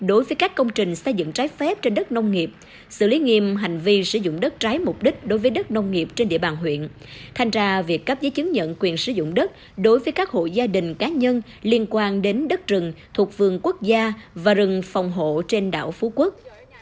đối với các công trình xây dựng trái phép trên đất nông nghiệp xử lý nghiêm hành vi sử dụng đất trái mục đích đối với đất nông nghiệp trên địa bàn huyện thanh tra việc cấp giấy chứng nhận quyền sử dụng đất đối với các hộ gia đình cá nhân liên quan đến đất rừng thuộc vườn quốc gia và rừng phòng hộ trên đảo phú quốc